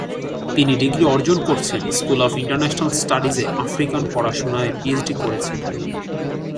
তিনি ডিগ্রি অর্জন করছেন স্কুল অফ ইন্টারন্যাশনাল স্টাডিজ-এ আফ্রিকান পড়াশুনায় পিএইচডি করেছেন।